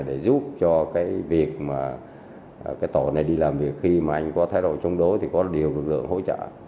để giúp cho cái việc mà cái tổ này đi làm việc khi mà anh có thay đổi chống đối thì có điều hỗ trợ